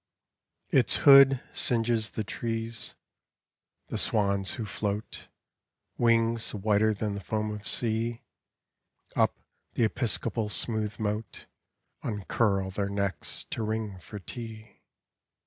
Its hood Singes the trees. The swans who tloat — Wings whiter than the foam of sea — Up the episcopal smooth m Uncurl their necks to ring for tea.